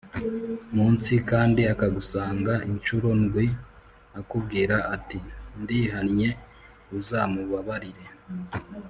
Munsi kandi akagusanga incuro ndwi akubwira ati ndihannye uzamubabarire